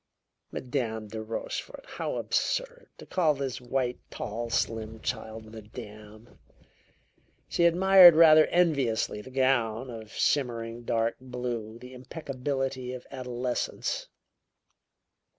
Madame de Rochefort! How absurd! To call this white, tall, slim child madame! She admired rather enviously the gown of shimmering dark blue, the impeccability of adolescence.